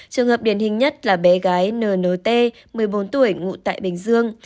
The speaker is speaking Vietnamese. trường hợp điển hình nhất là bé gái n n t một mươi bốn tuổi ngụ tại bình dương